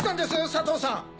佐藤さん